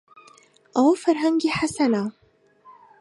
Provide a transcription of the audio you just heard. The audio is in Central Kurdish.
ئەوە فەرهەنگی حەسەنە.